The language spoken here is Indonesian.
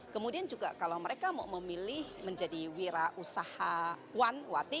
kemudian juga kalau mereka mau memilih menjadi wirausahawan